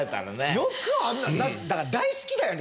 よくあんなだから大好きだよね